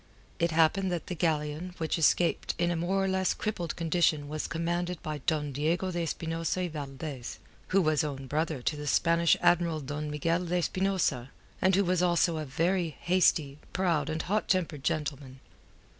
It happened that the galleon which escaped in a more or less crippled condition was commanded by Don Diego de Espinosa y Valdez, who was own brother to the Spanish Admiral Don Miguel de Espinosa, and who was also a very hasty, proud, and hot tempered gentleman.